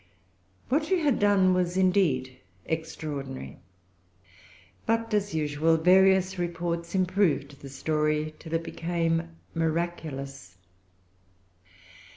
What she had done was, indeed, extraordinary. But, as usual, various reports improved the story till it became miraculous.